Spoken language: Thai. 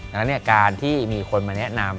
ดังนั้นการที่มีคนมาแนะนำ